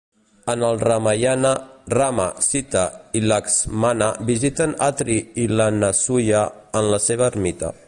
En el Ramayana, Rama, Sita i Lakshmana visiten Atri i lAnasuya en la seva ermita.